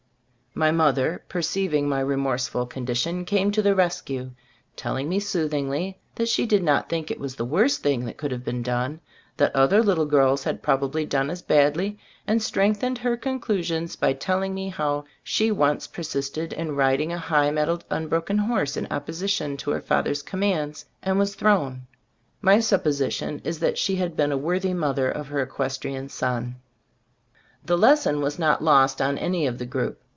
My mother, perceiving my re morseful condition, came to the res cue, telling me soothingly, that she did not think it the worst thing that could have been done, that other little girls had probably done as badly, and strengthened her conclusions by tell ing me how she once persisted in rid ing a high mettled unbroken horse in opposition to her father's commands, and was thrown. My supposition is that she had been a worthy mother of her equestrian son. The lesson was not lost on any of the group.